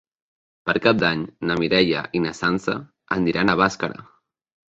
Per Cap d'Any na Mireia i na Sança aniran a Bàscara.